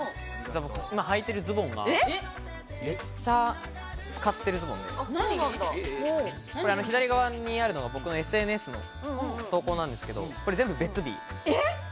今はいてるズボンがめっちゃ使ってるズボンで、左側にあるのが僕のＳＮＳの投稿なんですけど、これ全部別日。